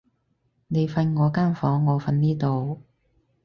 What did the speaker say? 你瞓我間房，我瞓呢度